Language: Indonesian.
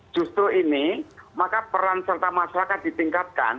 justru ini maka peran serta masyarakat ditingkatkan